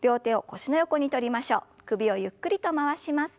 首をゆっくりと回します。